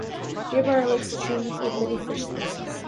Nearby are lakes and streams with many fish species.